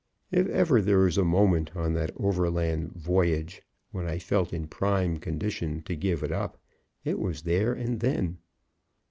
If ever there was a moment on that overland "voyage" when I felt in prime condition to give it up, it was there and then.